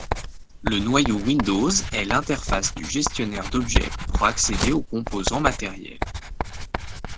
Le noyau Windows est l'interface du gestionnaire d'objets pour accéder aux composants matériels.